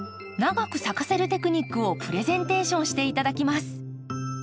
長く咲かせるテクニックをプレゼンテーションして頂きます。